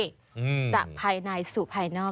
อืมจากภายในสู่ภายนอก